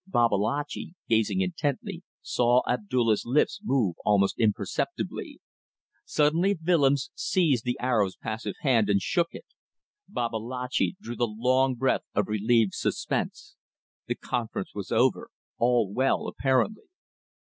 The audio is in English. Babalatchi, gazing intently, saw Abdulla's lips move almost imperceptibly. Suddenly Willems seized the Arab's passive hand and shook it. Babalatchi drew the long breath of relieved suspense. The conference was over. All well, apparently.